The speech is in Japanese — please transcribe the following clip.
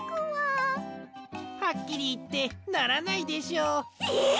はっきりいってならないでしょう。え！？